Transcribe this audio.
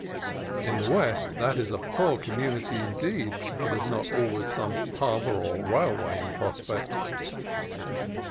In the West, that is a poor community, indeed, that has not always some harbor or railway in prospect.